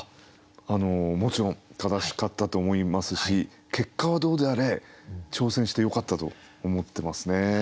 もちろん正しかったと思いますし結果はどうであれ挑戦してよかったと思ってますね。